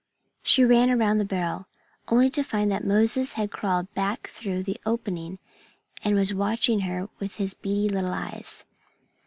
She ran around the barrel, only to find that Moses had crawled back through the opening and was watching her with his beady little eyes.